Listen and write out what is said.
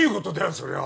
そりゃあ！